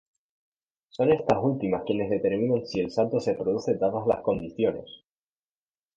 Son estas últimas quienes determinan si el salto se produce dadas las condiciones.